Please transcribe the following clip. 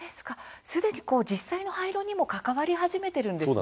既に実際の廃炉にも関わり始めてるんですね。